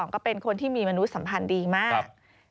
ก็เป็นคนที่มีมนุษย์สัมพันธ์ดีมาก